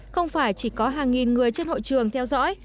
không phải chỉ có hàng nghìn người trên hội trường theo dõi